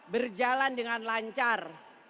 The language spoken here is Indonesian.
berjalan dengan lancar